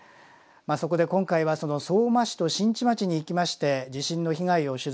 そこで今回はその相馬市と新地町に行きまして地震の被害を取材してまいりました。